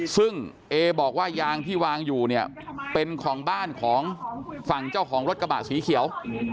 ซึ่งเอบอกว่ายางที่วางอยู่เนี่ยเป็นของบ้านของฝั่งเจ้าของรถกระบะสีเขียว